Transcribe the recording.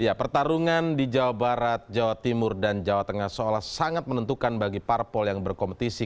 ya pertarungan di jawa barat jawa timur dan jawa tengah seolah sangat menentukan bagi parpol yang berkompetisi